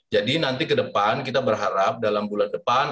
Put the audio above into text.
nanti ke depan kita berharap dalam bulan depan